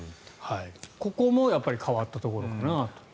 ここも変わったところかなと。